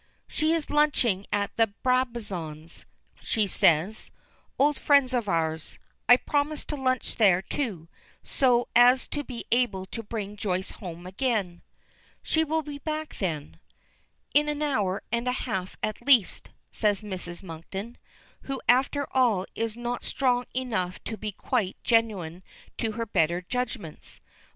"She is lunching at the Brabazons'," she says; "old friends of ours. I promised to lunch there, too, so as to be able to bring Joyce home again." "She will be back, then." "In an hour and a half at latest," says Mrs. Monkton, who after all is not strong enough to be quite genuine to her better judgments.